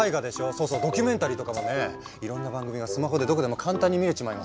そうそうドキュメンタリーとかもねいろんな番組がスマホでどこでも簡単に見れちまいますよ。